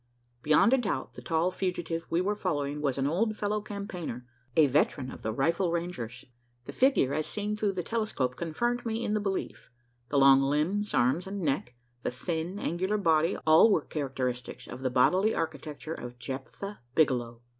Beyond a doubt, the tall fugitive we were following was an old fellow campaigner a veteran of the "Rifle Rangers!" The figure, as seen through the telescope, confirmed me in the belief. The long limbs, arms, and neck the thin, angular body all were characteristics of the bodily architecture of Jephthah Bigelow.